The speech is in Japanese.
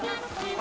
あ。